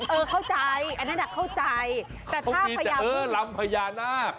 เออเข้าใจอันนั้นอ่ะเข้าใจแต่ท่าพญาบึ้งต้องกินแต่เออลำพญานาค